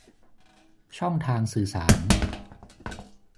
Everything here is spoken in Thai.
ช่องทางสื่อสาร